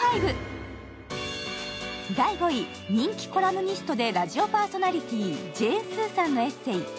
人気コラムニストでラジオパーソナリティージェーン・スーさんのエッセイ